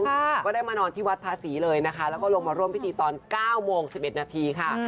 ก็ได้มานอนที่วัดภาษีเลยนะคะแล้วก็ลงมาร่วมพิธีตอนเก้าโมงสิบเอ็ดนาทีค่ะ